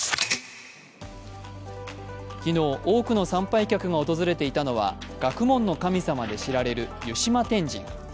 昨日、多くの参拝客が訪れていたのは学問の神様で知られる湯島天神。